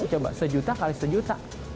coba sejuta kali sejuta